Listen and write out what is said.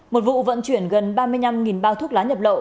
một vụ vận chuyển gần ba mươi năm bao thuốc lá nhập lậu